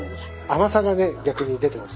甘さがね逆に出てます。